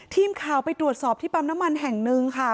ทีมข่าวไปตรวจสอบที่ปั๊มน้ำมันแห่งหนึ่งค่ะ